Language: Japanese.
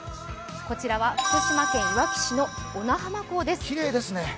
こちらは福島県いわき市の小名浜港です。